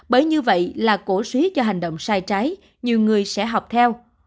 bởi như vậy là cổ suý cho hành động sai trái nhiều người sẽ học theo